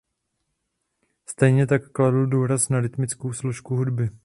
Stejně tak kladl důraz na rytmickou složku hudby.